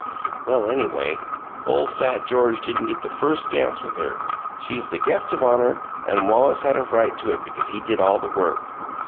"Well, anyway, ole fat George didn't get the first dance with her! She's the guest of honor, and Wallace had a right to it because he did all the work.